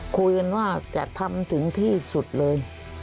คุยกันว่าจะทำถึงที่สุดเลย